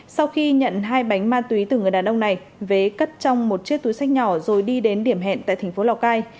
sau khi nhận hai bánh ma túy từ người đàn ông này vế cất trong một chiếc túi sách nhỏ rồi đi đến điểm hẹn tại thành phố lào cai